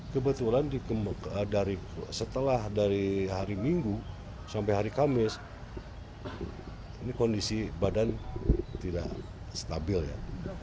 kebetulan setelah dari hari minggu sampai hari kamis ini kondisi badan tidak stabil ya